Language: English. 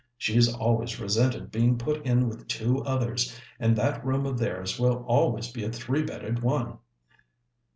She's always resented being put in with two others, and that room of theirs will always be a three bedded one."